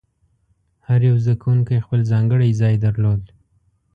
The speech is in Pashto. هر یو زده کوونکی خپل ځانګړی ځای درلود.